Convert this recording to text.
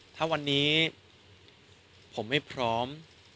ถ้าวันนี้ผมไม่พร้อม